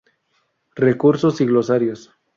Recursos y glosarios